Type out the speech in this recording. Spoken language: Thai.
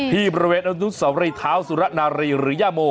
ที่บริเวณอนุสาวรีเท้าสุรนารีหรือย่าโม